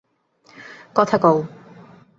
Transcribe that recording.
কথা কও।